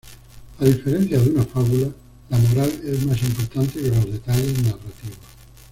A diferencia de una fábula, la moral es más importante que los detalles narrativos.